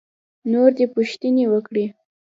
نور دې پوښتنې وکړي.